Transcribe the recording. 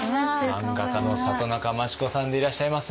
マンガ家の里中満智子さんでいらっしゃいます。